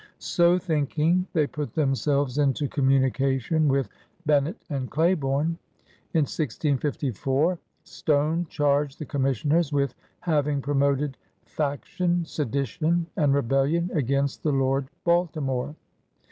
So thinking, they put themselves into communication with Bennett and Claiborne. In 1654 Stone chaiged the Commissioners with having promoted "fac tion, sedition, and rebellion against the Lord Balti more.''